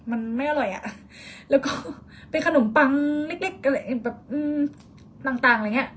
มันไม่อร่อยอ่ะแล้วก็เป็นขนมปังเล็กอะไรแบบต่างอะไรอย่างเงี้ย